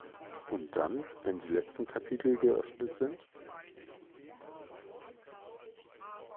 Und dann, wenn die letzten Kapitel geöffnet sind?